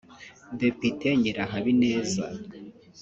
Depite Nyirahabineza